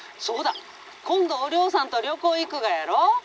「そうだ今度おりょうさんと旅行行くがやろ？